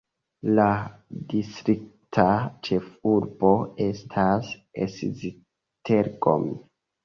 La distrikta ĉefurbo estas Esztergom.